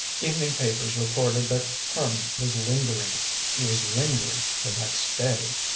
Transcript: Evening papers reported that Harman was "lingering." He was lingering the next day.